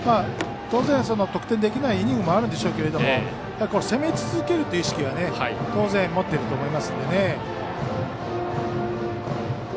当然、得点できないイニングもあるんでしょうけど攻め続けるという意識は当然、持ってると思いますので。